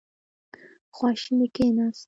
خواشینی کېناست.